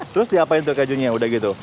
terus diapain tuh kejunya yang udah gitu